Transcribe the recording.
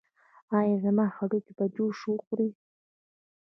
ایا زما هډوکي به جوش وخوري؟